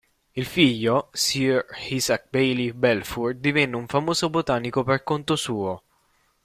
Il figlio, sir Isaac Bayley Balfour, divenne un famoso botanico per conto suo.